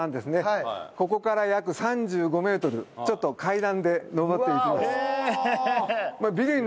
ここから約３５メートルちょっと階段で上っていきます。